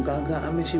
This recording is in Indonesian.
kamu udah dihukus disana